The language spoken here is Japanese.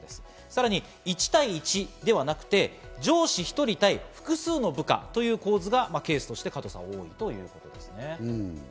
さらに１対１ではなく、上司１人対複数の部下という構図がケースとして多いということです。